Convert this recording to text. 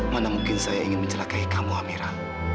mana mungkin saya ingin mencelakai kamu amera